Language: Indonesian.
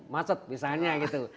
macet misalnya gitu